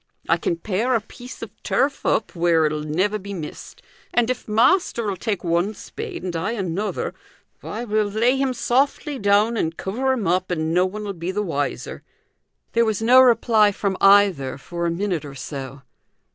I can pare a piece of turf up where it'll never be missed, and if master'll take one spade, and I another, why we'll lay him softly down, and cover him up, and no one'll be the wiser." There was no reply from either for a minute or so.